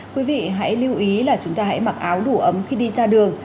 quý vị hãy lưu ý là chúng ta hãy mặc áo đủ ấm khi đi ra đường